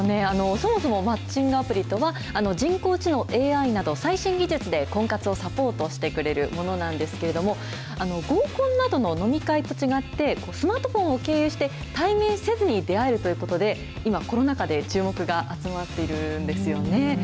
そもそもマッチングアプリとは、人工知能・ＡＩなど、最新技術で婚活をサポートしてくれるものなんですけれども、合コンなどの飲み会と違って、スマートフォンを経由して、対面せずに出会えるということで、今、コロナ禍で注目が集まっているんですよね。